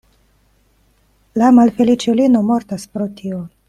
La malfeliĉulino mortas pro tio.